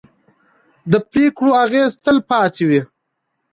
د پرېکړو اغېز تل پاتې وي